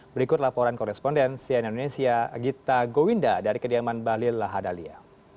berikut laporan koresponden cnn indonesia gita gowinda dari kediaman bahlil lahadalia